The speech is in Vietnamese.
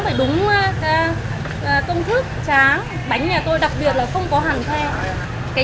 bánh nhà tôi đặc biệt là không có hẳn khe